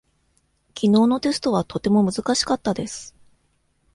きのうのテストはとても難しかったです。